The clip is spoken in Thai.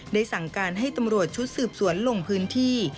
สั่งการให้ตำรวจชุดสืบสวนลงพื้นที่